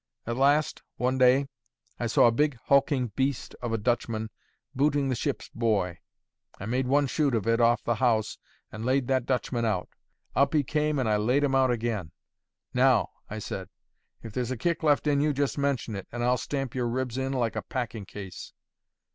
At last, one day, I saw a big hulking beast of a Dutchman booting the ship's boy. I made one shoot of it off the house and laid that Dutchman out. Up he came, and I laid him out again. 'Now,' I said, 'if there's a kick left in you, just mention it, and I'll stamp your ribs in like a packing case.'